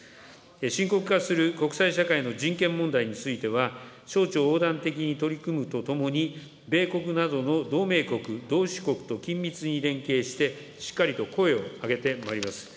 深刻化する国際社会の人権問題については、省庁横断的に取り組むとともに、米国などの同盟国、同種国と緊密に連携して、しっかりと声を上げてまいります。